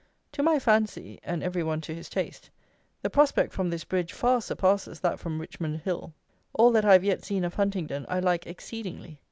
To my fancy (and every one to his taste) the prospect from this bridge far surpasses that from Richmond Hill. All that I have yet seen of Huntingdon I like exceedingly.